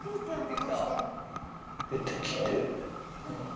出てきて。